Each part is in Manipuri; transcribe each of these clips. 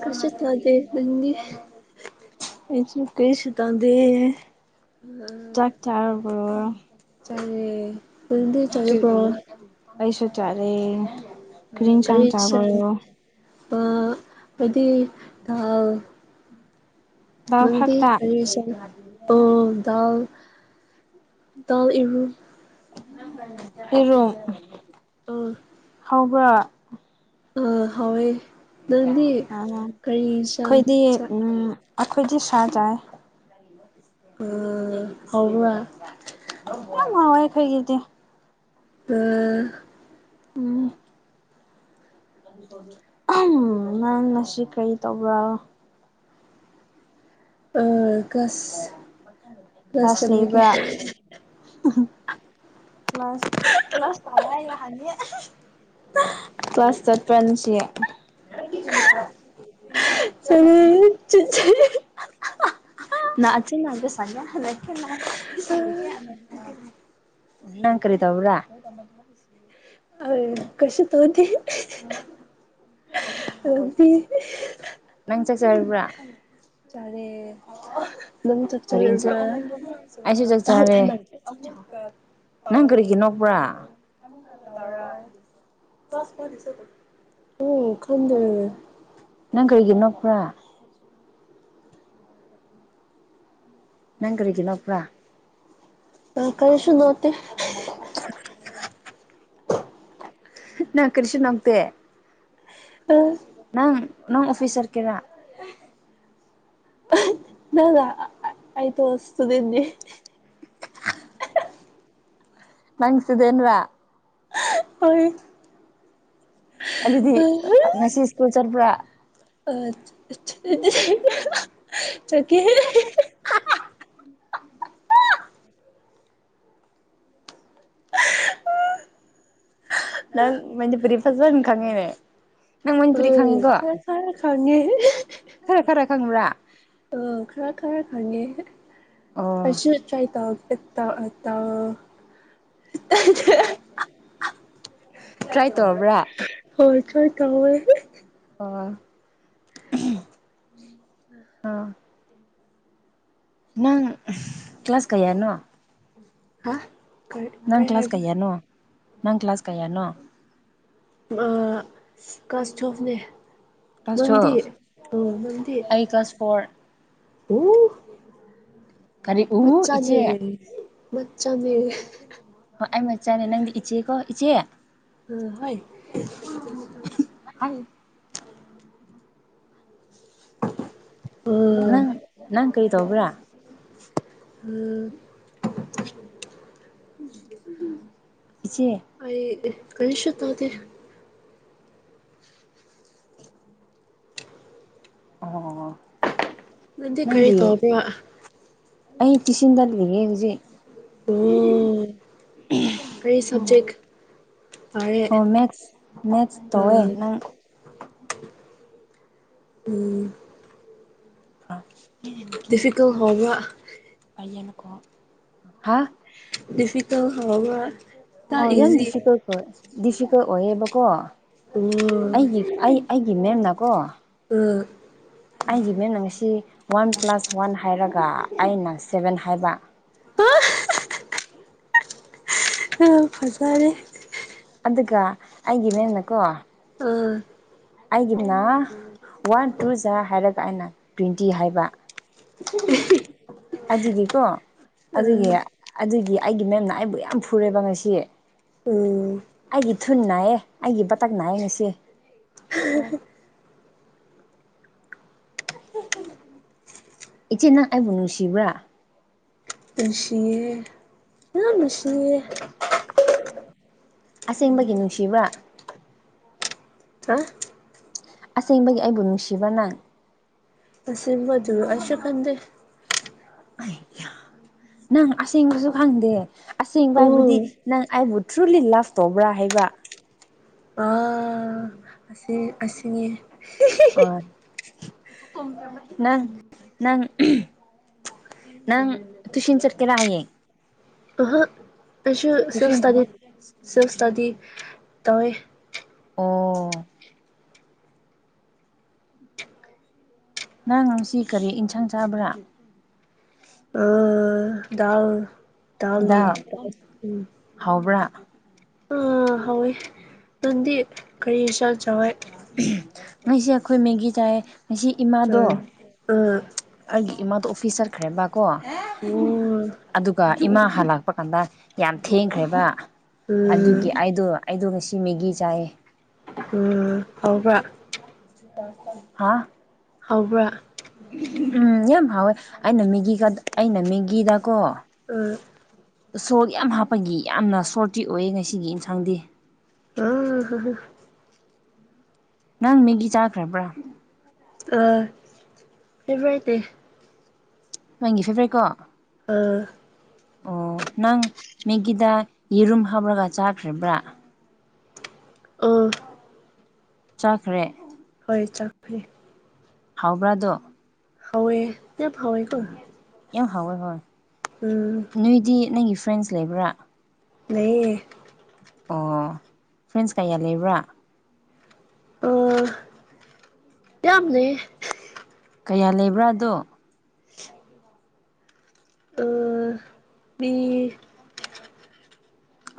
ꯀꯩꯁꯨ ꯇꯧꯗꯦ ꯅꯪꯗꯤ ꯏꯁꯨ ꯀꯔꯤꯁꯨ ꯇꯧꯗꯦ ꯆꯥꯛ ꯆꯥꯔꯕꯣ ꯆꯥꯔꯦ ꯅꯪꯗꯤ ꯆꯥꯔꯕꯣ ꯑꯩꯁꯨ ꯆꯔꯦ ꯀꯔꯤ ꯏꯟꯁꯥꯡ ꯆꯥꯕ꯭ꯔꯣ ꯑꯈꯣꯏꯗ ꯗꯥꯜ ꯗꯥꯜ ꯅꯪꯗꯤ ꯈꯛꯇ ꯀꯔꯤ ꯢꯟꯁꯥꯡ ꯗꯥꯜ ꯏꯔꯨ ꯑꯣ ꯍꯥꯎꯕ꯭ꯔꯥ ꯑ ꯍꯋꯦ ꯅꯪꯗꯤ ꯑ ꯀꯔꯤ ꯏꯟꯁꯥꯡ ꯑꯩꯈꯣꯏꯗꯤ ꯆꯥ ꯎ ꯑꯩꯈꯣꯏꯗꯤ ꯁꯥ ꯆꯥꯏ ꯍꯥꯎꯕ꯭ꯔ ꯌꯥꯝ ꯉꯥꯎꯋꯦ ꯑꯩꯈꯣꯏꯒꯤꯗꯤ ꯎꯝ ꯎꯝ ꯎꯝ ꯇꯣꯅꯤ ꯅꯪ ꯉꯁꯤ ꯀꯔꯤ ꯇꯧꯕ꯭ꯔꯥ ꯒꯁ ꯀ꯭ꯂꯥꯁ ꯂꯩꯕ꯭ꯔ ꯀ꯭ꯂꯥꯁ ꯀ꯭ꯂꯥꯁ ꯆꯠꯄ꯭ꯔ ꯉꯁꯤ ꯆꯠꯂꯦ ꯆꯠꯁꯦ [inaudible] ꯅꯪ ꯀꯔꯤ ꯇꯧꯕ꯭ꯔꯥ [unintelligible] ꯑ ꯀꯩꯁꯨ ꯇꯧꯗꯦ ꯅꯪꯗꯤ ꯅꯪ ꯆꯥꯛ ꯆꯥꯔꯕ꯭ꯔꯥ ꯆꯥꯔꯦ ꯅꯪ ꯆꯥꯛ ꯀꯔꯤ ꯏꯟꯁꯥꯡ ꯆꯥꯔꯕ꯭ꯔꯥ ꯑꯩꯁꯨ ꯆꯥꯛ ꯆꯔꯦ ꯅꯪ ꯀꯔꯤꯒꯤ ꯅꯣꯛꯄ꯭ꯔꯥ [unintelligible] [unintelligible] ꯅꯪ ꯀꯔꯤꯒꯤ ꯅꯣꯛꯄꯨ꯭ꯔꯥ ꯅꯪ ꯀꯔꯤꯒꯤ ꯅꯣꯛꯄ꯭ꯔꯥ ꯑ ꯀꯔꯤꯁꯨ ꯅꯣꯛꯇꯦ ꯅꯪ ꯀꯔꯤꯁꯨ ꯅꯣꯛꯇꯦ ꯑ ꯅꯪ ꯅꯪ ꯑꯣꯐꯤꯁ ꯆꯠꯀꯦꯔꯥ [unintelligible] ꯏꯁꯇꯨꯗꯦꯟꯠ ꯅꯦ ꯅꯪ ꯏꯁꯇꯨꯗꯦꯟꯔꯥ ꯍꯣꯏ ꯑꯗꯨꯗꯤ ꯑ ꯉꯁꯤ ꯁ꯭ꯀꯨꯜ ꯆꯠꯄ꯭ꯔꯥ ꯑ [unintelligible] ꯆꯀꯦ [unintelligible] ꯅꯪ ꯃꯅꯤꯄꯨꯔꯤ ꯐꯖꯅ ꯈꯪꯉꯦꯅꯦ ꯅꯪ ꯑ ꯃꯅꯤꯄꯨꯔꯤ ꯈꯪꯉꯤꯀꯣ ꯈꯔ ꯈꯔ ꯈꯥꯡꯉꯦ ꯈꯔ ꯈꯔ ꯈꯪꯕ꯭ꯔꯥ ꯑꯣ ꯈꯔ ꯈꯔ ꯈꯪꯉꯦ ꯑꯣ ꯑꯩꯁꯨ [unintelligible] ꯇꯥꯎ [unintelligible] ꯇ꯭ꯔꯥꯏ ꯇꯧꯔꯕ꯭ꯔꯥ [unintelligible] ꯍꯣꯏ ꯈꯔ ꯀꯥꯎꯑꯦ ꯑꯣ ꯑꯥ ꯅꯪ ꯀ꯭ꯂꯥꯁ ꯀꯩꯌꯥꯅꯣ ꯍ ꯅꯪ ꯀ꯭ꯂꯥꯁ ꯀꯩꯌꯥꯅꯣ ꯅꯪ ꯀ꯭ꯂꯥꯁ ꯀꯌꯥꯅꯣ ꯑ ꯀꯥ꯭ꯂꯁ ꯇꯨꯌꯦꯐꯅꯦ ꯀ꯭ꯂꯥꯁ ꯅꯪꯗꯤ ꯇꯨꯋꯦꯜꯐ ꯑ ꯅꯪꯗꯤ ꯑꯩ ꯀ꯭ꯂꯥꯁ ꯐꯣꯔ ꯀꯔꯤ [unintelligible] ꯎ ꯃꯆꯥꯅꯦ ꯏꯆꯦ ꯃꯆꯥ ꯅꯦ ꯍꯣꯏ ꯑꯩ ꯃꯆꯥꯅꯦ ꯅꯪꯗꯤ ꯏꯆꯦꯀꯣ ꯏꯆꯦ ꯎꯝ ꯍꯣꯏ [unintelligible] ꯍꯥꯏ ꯑ ꯅꯪ ꯅꯪ ꯀꯩ ꯇꯧꯕ꯭ꯔꯥ [unintelligible] ꯏꯆꯦ ꯑꯩ ꯀꯔꯤꯁꯨ ꯇꯧꯗꯦ ꯑꯣ ꯅꯪꯗꯤ ꯀꯔꯤ ꯅꯪꯒꯤ ꯇꯧꯕ꯭ꯔꯥ ꯑꯩ ꯇꯤꯆꯤꯡꯗ ꯂꯩꯌꯦ ꯍꯧꯖꯤꯛ ꯑꯣ ꯀꯔꯤ ꯁꯕꯖꯦꯛ ꯄꯥꯔꯦ ꯑꯣ ꯃꯦꯁ ꯃꯦꯁ ꯑ ꯇꯧꯋꯦ ꯅꯪ ꯎꯝ ꯗꯤꯐꯤꯀꯜ ꯍꯧꯕ꯭ꯔꯥ [unintelligible] ꯍꯥ ꯗꯤꯐꯤꯀꯜ ꯍꯧꯔꯒ ꯑꯣ ꯌꯥꯝ ꯗꯤꯐꯤꯀꯜꯠ ꯑꯣꯏ ꯗꯤꯐꯤꯀꯜꯠ ꯑꯣꯏꯌꯦꯕꯀꯣ ꯑꯣ ꯑꯩꯒꯤ ꯑꯩ ꯑꯩꯒꯤ ꯃꯦꯝꯅꯀꯣ ꯎꯝ ꯑꯩꯒꯤ ꯃꯤꯠꯅ ꯉꯁꯤ ꯋꯥꯟ ꯄ꯭ꯂꯁ ꯋꯥꯟ ꯍꯥꯏꯔꯒ ꯑꯩꯅ ꯁꯚꯦꯟ ꯍꯥꯏꯕ ꯑꯣ ꯑꯣ ꯐꯖꯔꯦ ꯑꯗꯨꯒ ꯑꯩꯒꯤ ꯃꯦꯝꯅꯀꯣ ꯑꯥ ꯍꯥꯏꯒꯗꯅꯥ ꯋꯥꯟ ꯇꯨ ꯆꯥ ꯍꯥꯏꯔꯒ ꯑꯩꯅ ꯇ꯭ꯋꯤꯟꯇꯤ ꯍꯥꯏꯕ ꯑꯗꯨꯒꯤꯀꯣ ꯑ ꯑꯗꯨꯒꯤ ꯑꯗꯨꯒꯤ ꯑꯩꯒꯤ ꯃꯦꯝꯅ ꯑꯩꯕꯨ ꯌꯥꯝ ꯐꯨꯔꯦꯕ ꯉꯁꯤ ꯎꯝ ꯑꯩꯒꯤ ꯊꯨꯟ ꯅꯥꯏꯌꯦ ꯑꯩꯒꯤ ꯕꯇꯛ ꯅꯥꯏꯌꯦ ꯉꯁꯤ ꯏꯆꯦ ꯅꯪ ꯑꯩꯕꯨ ꯅꯨꯡꯁꯤꯕ꯭ꯔꯥ ꯅꯨꯡꯁꯤꯌꯦ ꯌꯥꯝ ꯅꯨꯡꯁꯤꯌꯦ ꯑꯁꯦꯡꯕꯒꯤ ꯅꯨꯡꯁꯤꯕ꯭ꯔ [inaudible] [unintelligible] ꯑꯁꯦꯡꯕꯒꯤ ꯑꯩꯕꯨ ꯅꯨꯡꯁꯤꯕꯅꯪ ꯑꯁꯦꯡꯕꯗꯨ ꯑꯩꯁꯨ ꯈꯪꯗꯦ ꯑꯩ ꯌꯥ ꯅꯪ ꯑꯁꯦꯡꯕꯁꯨ ꯈꯪꯗꯦ ꯑꯁꯦꯡꯕ ꯎꯝ ꯍꯥꯏꯕꯨꯗꯤ ꯅꯪ ꯑꯩꯕꯨ ꯇꯊ꯭ꯔꯨꯂꯤ ꯂꯞ ꯇꯧꯕ꯭ꯔꯥ ꯍꯥꯏꯕ ꯑ ꯑꯁꯤ ꯑꯁꯤꯅꯤ ꯑꯣ ꯅꯪ ꯅꯪ ꯅꯪ ꯇꯨꯏꯁꯟ ꯆꯠꯀꯦꯔ ꯍꯥꯌꯦꯡ ꯑꯥꯍꯥ ꯑꯩꯁꯨ ꯇꯨꯏꯁꯟ ꯁꯤꯜꯁꯇꯗꯤ ꯁꯤꯜꯁꯇꯗꯤ ꯇꯧꯋꯦ ꯑꯥ ꯅꯪ ꯉꯁꯤ ꯀꯔꯤ ꯌꯦꯟꯁꯥꯡ ꯆꯥꯕ꯭ꯔꯥ ꯑ ꯗꯜ ꯗꯜꯅꯦ ꯗꯥꯜ ꯍꯥꯎꯕ꯭ꯔꯥ ꯑ ꯍꯋꯦ ꯅꯗꯤ ꯀꯔꯤ ꯆꯜ ꯆꯋꯥꯏ ꯉꯁꯤ ꯑꯩꯈꯣꯏ ꯃꯦꯒꯤ ꯆꯥꯏ ꯉꯁꯤ ꯏꯃꯥꯗꯣ ꯑꯥ ꯑꯥ ꯑꯩꯒꯤ ꯏꯃꯥꯗꯣ ꯑꯣꯐꯤꯁ ꯆꯠꯈ꯭ꯔꯦ ꯕ ꯀꯣ ꯑꯣ ꯑꯗꯨꯒ ꯏꯃꯥ ꯍ ꯂꯥꯛꯄ ꯀꯥꯟꯗ ꯌꯥꯝ ꯊꯦꯡꯈ꯭ꯔꯦꯕ ꯎꯝ ꯑꯗꯨꯒꯤ ꯑꯩꯗꯣ ꯑꯩꯗꯣ ꯉꯁꯤ ꯃꯦꯒꯤ ꯆꯥꯏꯌꯦ ꯎꯝ ꯍꯕ꯭ꯔ ꯍꯥꯥ ꯍꯧꯕ꯭ꯔꯥ ꯎꯝ ꯌꯥꯝ ꯍꯥꯎꯋꯦ ꯑꯩꯅ ꯃꯦꯒꯤꯒꯗ ꯑꯩꯅ ꯃꯦꯒꯤꯗꯀꯣ ꯑꯥ ꯁꯣꯜꯠ ꯌꯥꯝ ꯍꯥꯞꯄꯒꯤ ꯌꯥꯝꯅ ꯁꯣꯜꯇꯤ ꯑꯣꯏ ꯉꯁꯤꯒꯤ ꯑꯦꯟꯁꯥꯡꯗꯤ ꯑ ꯍ ꯍ ꯅꯪ ꯃꯦꯒꯤ ꯆꯥꯈ꯭ꯔꯕ꯭ꯔꯥ ꯑ [unintelligible] [unintelligible] ꯑꯥ ꯑꯣ ꯅꯪ ꯃꯦꯒꯤꯗ ꯌꯦꯔꯨꯝ ꯍꯥꯞꯔꯒ ꯆꯥꯈ꯭ꯔꯕ꯭ꯔꯥ ꯑꯥ ꯆꯥꯈ꯭ꯔꯦ ꯍꯣꯏ ꯆꯥꯛꯈꯦ ꯍꯥꯎꯕ꯭ꯔꯥꯗꯣ ꯍꯥꯎꯋꯣꯏ ꯌꯥꯝ ꯍꯥꯎꯦ ꯀꯣ ꯌꯥꯝ ꯍꯥꯎꯋꯦ ꯍꯣꯏ ꯎꯝ ꯅꯣꯏꯗꯤ ꯅꯪꯒꯤ ꯐ꯭ꯔꯦꯟꯁ ꯂꯩꯕ꯭ꯔꯥ [unintelligible] ꯑꯣ ꯐ꯭ꯔꯦꯟꯁ ꯀꯌꯥ ꯂꯩꯕ꯭ꯔ ꯑꯣ ꯇ ꯑꯃꯖ ꯀꯌꯥ ꯂꯩꯕ꯭ꯔꯥ ꯑꯗꯣ ꯑ ꯃꯤ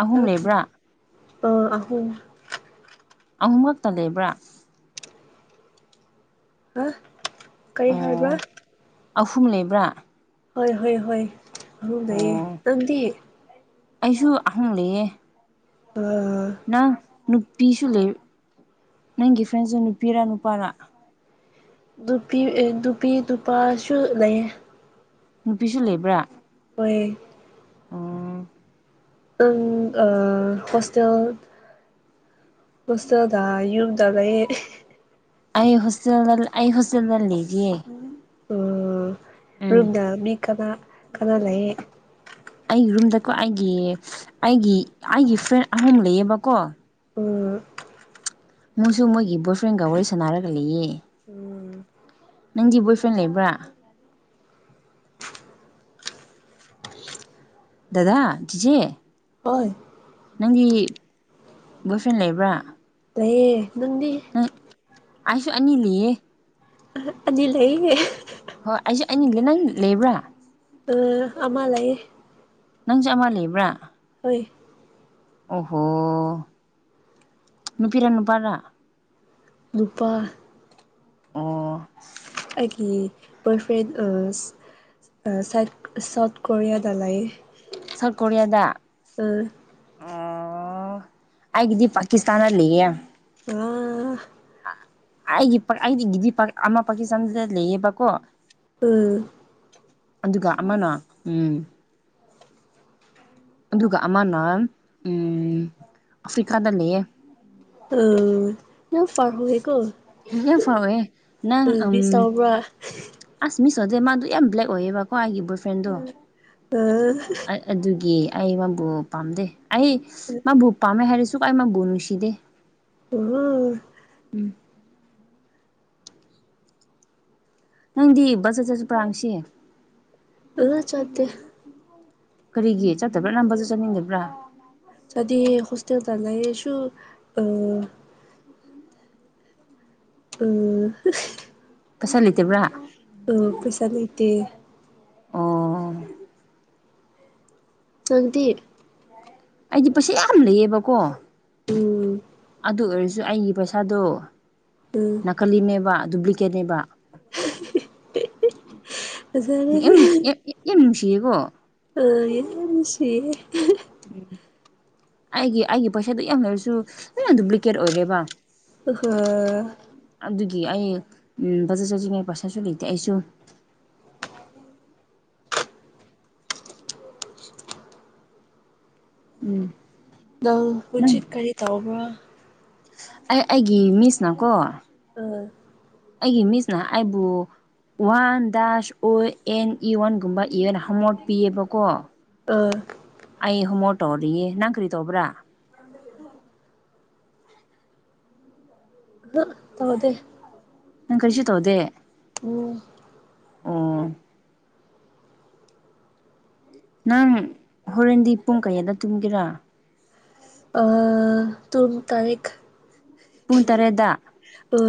ꯑꯍꯨꯝ ꯂꯩꯕ꯭ꯔꯥ ꯑ ꯑꯍꯨꯝ ꯑꯍꯨꯝ ꯈꯛꯇ ꯂꯩꯕ꯭ꯔꯥ ꯑ ꯀꯩ ꯍꯥꯏꯕ꯭ꯔꯥ ꯑꯣ ꯑꯍꯨꯝ ꯂꯩꯕ꯭ꯔꯥ ꯍꯣꯏ ꯍꯣꯏ ꯍꯣꯏ ꯑꯗꯨꯍꯨꯝ ꯂꯩꯌꯦ ꯑꯣ ꯅꯪꯗꯤ ꯑꯩꯁꯨ ꯑꯍꯨꯝ ꯂꯩꯌꯦ ꯑ ꯅꯪ ꯅꯨꯄꯤꯁꯨ ꯂꯩ ꯅꯪꯒꯤ ꯐ꯭ꯔꯦꯟꯁꯨ ꯅꯨꯄꯤꯔ ꯅꯨꯄꯥꯔꯥ ꯅꯨꯄꯤ ꯑꯦ ꯅꯨꯄꯤ ꯅꯨꯄꯥꯁꯨ ꯂꯩꯌꯦ ꯅꯨꯄꯤꯁꯨ ꯂꯩꯕ꯭ꯔꯥ ꯍꯣꯏ ꯑꯣ ꯑ‌ꯪ ꯑ ꯍꯣꯁꯇꯦꯜ ꯍ‌ꯣꯁꯇ‌ꯦꯜꯗ ꯌꯨꯗ ꯂꯩꯌꯦ ꯑꯩ ꯍꯣꯁꯇꯦꯜꯗ ꯑꯩ ꯍꯣꯁꯇꯦꯜꯗ ꯂꯩꯌꯦ ꯑꯣ ꯔꯨꯝꯗ ꯃꯤ ꯀꯅꯥ ꯀꯅꯥ ꯂꯩꯌꯦ ꯑꯩꯒꯤ ꯔꯨꯝꯗꯀꯣ ꯑꯩꯒꯤ ꯑꯩꯒꯤ ꯑꯩꯒꯤ ꯐ꯭ꯔꯦꯟ ꯑꯍꯨꯝ ꯂꯩꯑꯕꯀꯣ ꯎ ꯃꯣꯏꯁꯨ ꯃꯣꯏꯒꯤ ꯕꯣꯏꯐ꯭ꯔꯦꯟꯒ ꯋꯥꯔꯤ ꯁꯥꯟꯅꯔꯒ ꯂꯩꯌꯦ ꯎꯝ ꯅꯪꯒꯤ ꯕꯣꯏꯐ꯭ꯔꯦꯟ ꯂꯩꯕ꯭ꯔꯥ ꯗꯗꯥ ꯆꯤꯖꯦ ꯍꯣꯏ ꯅꯪꯒꯤ ꯕꯣꯏ ꯐ꯭ꯔꯦꯟ ꯂꯩꯕ꯭ꯔꯥ ꯂꯩꯌꯦ ꯅꯪꯗꯤ ꯎꯝ ꯑꯥꯏꯁꯨ ꯑꯅꯤꯂꯤꯌꯦ ꯑꯅꯤ ꯂꯩꯔꯦ ꯍꯣꯏ ꯑꯩꯁꯦ ꯑꯅꯤ ꯂꯩ ꯅ‌ꯪ ꯂꯩꯕ꯭ꯔꯥ ꯎ ꯑꯃ‌ ꯂꯩ ꯅꯪꯖ‌‌ꯦ ꯑꯃ ꯂꯩꯕ꯭ꯔꯥ ꯍꯣꯏ ꯑꯣꯍꯣ ꯅꯨꯨꯄꯤꯔ ꯅꯨꯄꯥꯔꯥ ꯅꯨꯨꯄꯥ ꯑꯣ ꯑꯩꯒꯤ ꯕꯣꯏ ꯐ꯭ꯔꯦꯟ ꯑꯁ ꯑꯥ ꯁꯦꯠ ꯁꯥꯎꯠ ꯀꯣꯔꯤꯌꯥꯗ ꯂꯩ ꯁꯥꯎꯠ ‌ꯀ‌ꯣꯔꯤꯌꯥꯗ ꯑꯣ ꯑꯩꯒꯤꯗꯤ ꯄꯥꯀꯤꯁꯇꯥꯟꯗꯥ ꯂꯩꯌꯦ ꯕ ꯑꯩꯒꯤ ꯄ ꯑꯩꯗꯤ ꯒꯤꯤꯗꯤ ꯄ ꯑꯃ ꯄꯀꯤꯁꯇꯥꯟꯗ ꯂꯩ ꯍꯦ ꯕꯀ‌ꯣ ꯎꯝ ꯑꯗꯨꯒ ꯑꯃꯅ ꯎꯝ ꯑꯗꯨꯒ ꯑꯃꯅ ꯎꯝ ꯑꯐ꯭ꯔꯤꯀꯥꯗ ꯂꯩꯌꯦ ꯎ ꯌꯥꯝ ꯐꯔ ꯍꯧꯏꯀ‌ꯣ ꯌꯥꯝ ꯐꯥꯎꯋꯦ ꯅꯪ ꯎꯝ ꯃꯤꯁ ꯇꯧꯕꯔ [inaudible] ꯑꯁ ꯃꯤꯁ ꯑꯣꯏꯗꯦ ꯃꯥꯗꯣ ꯌꯥꯝ ꯕ꯭ꯂꯦꯛ ꯑꯣꯏꯌꯦꯕꯀꯣ ꯑꯩꯒꯤ ꯕꯣꯏ ꯐ꯭ꯔꯦꯟꯗꯣ ꯑ ꯑꯗꯨꯒꯤ ꯑꯩ ꯃꯥꯕꯨ ꯄꯥꯝꯗꯦ ꯑꯩ ꯃꯥꯕꯨ ꯄꯥꯝꯃꯦ ꯍꯥꯏꯔꯁꯨ ꯑꯩ ꯃꯥꯕꯨ ꯅꯨꯡꯁꯤꯗꯦ [unintelligible] ꯎꯝ ꯅꯪꯗꯤ ꯕꯖ ꯆꯠꯁꯨ ꯄꯔꯥꯥꯡꯁꯤ꯫ ꯆꯠꯇꯦ꯫ ꯀꯔꯤꯒꯤ ꯆꯠꯇꯕ꯭ꯔꯥ ꯅꯝꯕꯁꯨ ꯆꯠꯅꯤꯡꯗꯕ꯭ꯔꯥ ꯆꯗꯤ ꯍꯣꯁꯇꯦꯗ ꯂꯩꯔꯁꯨ ꯑ ꯎꯝ ꯄꯁꯥ ꯂꯩꯇꯕ꯭ꯔꯥ ꯎ ꯄꯩꯁꯥ ꯂꯩꯇꯦ ꯑꯣ ꯇꯣꯏꯟꯇꯤ ꯑꯩꯗꯤ ꯄꯩꯁꯥ ꯌꯥꯝ ꯂꯩꯌꯦꯕꯀꯣ ꯎꯝ ꯑꯗꯨ ꯑꯣꯏꯔꯁꯨ ꯑꯩꯒꯤ ꯄꯩꯁꯥꯗꯣ ꯎꯝ ꯅꯥꯀꯂꯤꯝꯅꯦꯕ ꯗꯨꯄ꯭ꯂꯤꯀꯦꯠꯅꯦꯕ [unintelligible] ꯌꯥꯝ ꯅꯨꯡꯁꯤꯌꯦꯀꯣ ꯄꯨꯟꯁ ꯎꯝ ꯑꯩꯒꯤ ꯑꯩꯒꯤ ꯄꯩꯁꯥꯗꯨ ꯌꯥꯝ ꯂꯩꯔꯁꯨ ꯍꯨꯝꯃ ꯗꯨꯕ꯭ꯂꯤꯀꯦꯠ ꯑꯣꯏꯔꯦꯕ ꯑꯍ ꯑꯗꯨꯒꯤ ꯑꯩ ꯕꯖꯠ ꯆꯠꯖꯉꯩ ꯄꯩꯁꯥꯁꯨ ꯂꯩꯇꯦ ꯑꯩꯁꯨ ꯎꯝ ꯅꯪ ꯅꯪ ꯍꯨꯖꯤꯛ ꯀꯔꯤ ꯇꯧꯕ꯭ꯔ ꯑꯩ ꯑꯩꯒꯤ ꯃꯤꯁꯅꯀꯣ ꯑꯥ ꯑꯩꯒꯤ ꯃꯤꯁꯅ ꯑꯩꯕꯨ ꯋꯥꯟ ꯗꯥꯁ ꯑꯣ ꯑꯦꯟ ꯏ ꯋꯥꯟꯒꯨꯝꯕ ꯏ ꯑꯦꯜ ꯍꯥꯣꯠꯄꯤꯑꯕꯀꯣ ꯑꯥ ꯑꯩ ꯍꯣꯃꯣ ꯇꯧꯔꯤꯌꯦ ꯅꯪ ꯀ꯭ꯔꯤ ꯇꯧꯕ꯭ꯔꯥ- ꯑꯍꯥ ꯇꯧꯗꯦ꯫ ꯅꯪ ꯀꯔꯤꯁꯨ ꯇꯧꯗꯦ꯫ ꯎꯝ ꯑꯣ ꯅꯪ ꯍꯣꯔꯦꯟꯗꯤ ꯄꯨꯡ ꯀꯌꯥꯗ ꯇꯨꯝꯒꯦꯔꯥ ꯑ ꯇꯣꯝ ꯇꯔꯤꯛ ꯄꯨꯡ ꯇꯔꯦꯠꯇ ꯑ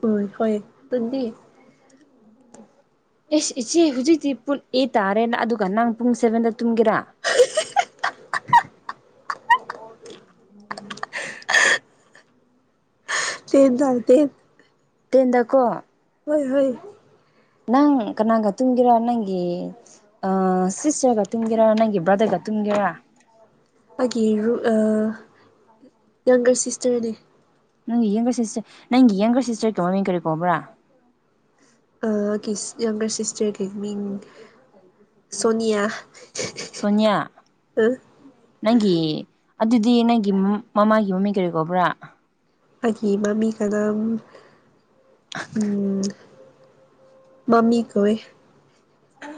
ꯍ ꯍ ꯑꯗꯨꯗꯤ ꯑꯦꯁ ꯏꯆꯦ ꯍꯧꯖꯤꯛꯇꯤ ꯄꯨꯜ ꯑꯦ ꯇꯥꯔꯦꯅ ꯑꯗꯨꯒ ꯅꯪ ꯄꯨꯡ ꯁꯚꯦꯟꯗ ꯇꯨꯝꯒꯦꯔꯥ [inaudible] ꯇꯦ ꯗꯥꯜ ꯇꯦꯟ ꯇꯦꯟꯗꯀꯣ ꯍꯣꯏ ꯍꯣꯏ ꯅꯪ ꯀꯅꯥꯒ ꯇꯨꯝꯒꯦꯔ ꯅꯪꯒꯤ ꯑ ꯁꯤꯁꯇꯔꯒ ꯇꯨꯝꯒꯦꯔꯥ ꯅꯪꯒꯤ ꯕ꯭ꯔꯗꯔꯒ ꯇꯨꯝꯒꯦꯔꯥ ꯑꯩꯒꯤ ꯔꯨꯠ ꯑ ꯅꯪꯒ ꯁꯤꯁꯇꯔꯅꯦ꯫ ꯅꯪꯒꯤ ꯌꯦꯡꯒꯔ ꯁꯤꯁꯇꯔ ꯅꯪꯒꯤ ꯌꯡꯒꯔ ꯁꯤꯁꯇꯔꯀ ꯃꯃꯤꯡ ꯀꯔꯤꯀꯣꯕ꯭ꯔꯥ ꯌꯪꯒꯔ ꯁꯤꯁꯇꯔꯒꯤ ꯃꯤꯡ ꯁꯣꯅꯤꯌꯥ ꯁꯨꯟꯅꯌꯥ ꯅꯪꯒꯤ ꯑꯗꯨꯗꯤ ꯅꯪꯒꯤ ꯃꯃꯥꯒꯤ ꯃꯃꯤ ꯀꯔꯤ ꯀꯧꯕ꯭ꯔꯥ ꯑꯩꯒꯤ ꯃꯃꯤ ꯀꯗꯥ ꯎꯝ ꯃꯃꯤ ꯀꯣꯏꯋꯦ ꯑ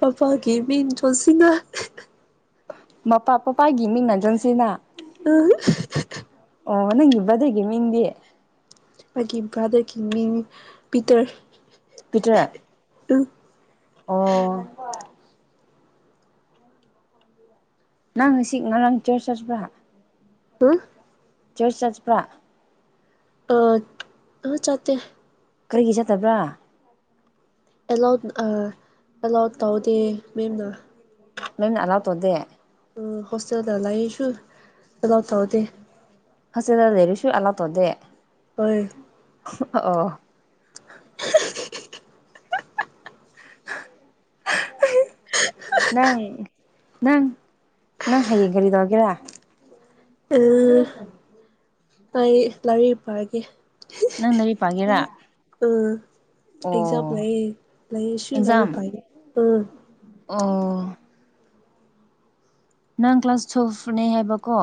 ꯃꯄꯥꯒꯤ ꯃꯤ ꯆꯣꯟꯁꯤꯅ ꯃꯄꯥ ꯄꯄꯥꯒꯤ ꯃꯤꯡꯅꯟꯖꯟꯁꯤꯅ ꯑꯥ ꯑꯣ ꯅꯪꯒꯤꯕꯗ꯭ꯔꯒꯦ ꯃꯤꯗꯤꯦ ꯃꯥꯒꯤ ꯭ꯔꯗꯔꯀꯤ ꯃꯤ ꯄꯇꯥꯔ ꯄꯤꯇ꯭ꯔꯦ ꯑ ꯑꯣ ꯅꯪ ꯉꯁꯤ ꯉꯔꯥꯡ ꯆꯔꯁ ꯆꯠꯄ꯭ꯔ ꯍꯥ ꯆꯖꯔꯁ ꯆꯥꯁ ꯐꯥ ꯑ ꯆꯇꯦ ꯀꯔꯤꯒꯤ ꯆꯠꯇꯕ꯭ꯔꯥ ꯑꯦꯂꯥꯎꯠ ꯑꯥ ꯑꯦꯂꯥꯎꯠ ꯇꯧꯗꯦ ꯃꯦꯝꯅ ꯅ ꯑꯂ ꯇꯣꯗꯦ ꯑꯣ ꯍꯣꯁꯇꯦꯜꯗ ꯂꯩꯌꯦꯁꯨ ꯂꯥꯎ ꯊꯥꯎꯗꯦ ꯍꯁꯗ ꯗꯦꯔꯤꯁꯨ ꯑꯂ ꯇꯗꯦ ꯍ ꯑ [unintelligible] ꯅꯪ ꯅꯪ ꯅꯪ ꯍꯌꯦꯡ ꯒꯔꯤ ꯇꯧꯔꯒꯦꯔꯥ ꯑꯥ ꯑꯩ ꯂꯥꯏꯔꯤ ꯄꯒꯦ ꯅꯪꯗꯔꯤ ꯄꯒꯦꯔꯥ ꯎꯝ ꯑꯦꯛꯖꯥꯝ ꯂꯩ ꯂꯩ ꯁꯤ ꯑꯦꯛꯖꯥꯝ ꯂꯩꯔꯥꯏ ꯎ ꯑꯣ ꯅꯪ ꯀ꯭ꯂꯥꯁ ꯇꯨꯌꯦꯦꯜꯐ ꯐꯅꯦꯩ ꯍꯥꯏꯕꯀꯣ